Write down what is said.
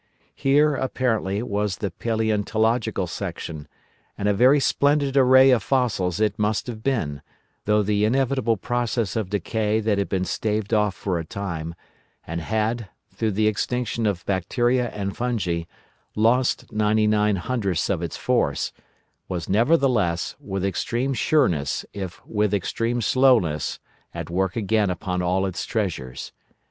Here, apparently, was the Palæontological Section, and a very splendid array of fossils it must have been, though the inevitable process of decay that had been staved off for a time, and had, through the extinction of bacteria and fungi, lost ninety nine hundredths of its force, was nevertheless, with extreme sureness if with extreme slowness at work again upon all its treasures.